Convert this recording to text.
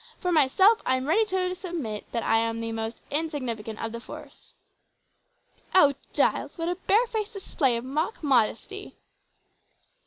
For myself I am ready to admit that I am the most insignificant of the force." "O Giles! what a barefaced display of mock modesty!"